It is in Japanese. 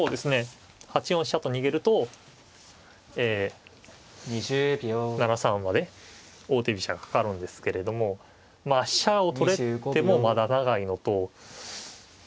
８四飛車と逃げるとええ７三馬で王手飛車がかかるんですけれどもまあ飛車を取れてもまだ長いのとま